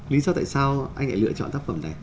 lý do tại sao anh lại lựa chọn tác phẩm này